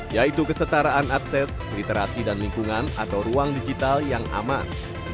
yaitu kesetaraan akses literasi dan lingkungan atau ruang digital yang aman